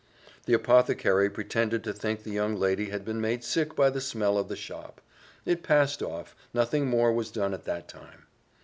The apothecary pretended to think the young lady had been made sick by the smell of the shop. It passed off nothing more was done at that time.